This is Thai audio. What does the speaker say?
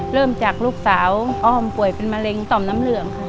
เริ่มจากลูกสาวอ้อมป่วยเป็นมะเร็งต่อมน้ำเหลืองค่ะ